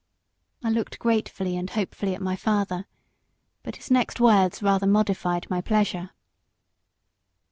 I looked gratefully and hopefully at my father but his next words rather modified my pleasure.